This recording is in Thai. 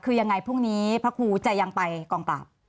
คือยังไงพรุ่งนี้พระครูจะยังไปกองปราบ